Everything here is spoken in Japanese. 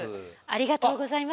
ありがとうございます。